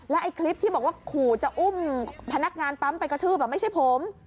ไอ้คลิปที่บอกว่าขู่จะอุ้มพนักงานปั๊มไปกระทืบไม่ใช่ผม